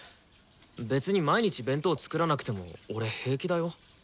別に毎日弁当作らなくても俺平気だよ。